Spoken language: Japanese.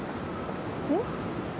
うん？